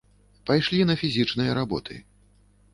Пайшлі на фізічныя работы.